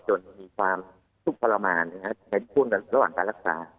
จนมีความทุกข์ทรมานในช่วงระหว่างการรักษา